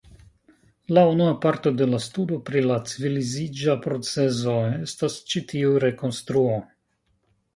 La unua parto de la studo pri la civiliziĝa procezo estas ĉi tiu rekonstruo.